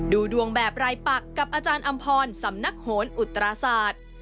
ดูดวงแบบรายปักกับอาจารย์อำพรสำนักโหนอุตราศาสตร์